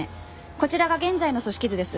こちらが現在の組織図です。